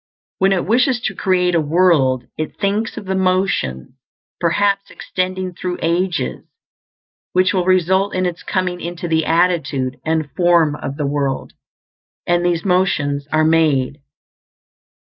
When it wishes to create a world, it thinks of the motions, perhaps extending through ages, which will result in its coming into the attitude and form of the world; and these motions are made.